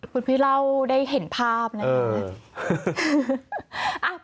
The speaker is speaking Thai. คุณพี่เล่าได้เห็นภาพนะคะ